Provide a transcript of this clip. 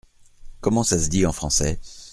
Comment ça se dit en français ?